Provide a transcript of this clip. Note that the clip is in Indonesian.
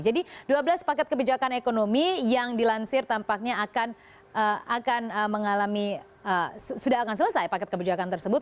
jadi dua belas paket kebijakan ekonomi yang dilansir tampaknya akan mengalami sudah akan selesai paket kebijakan tersebut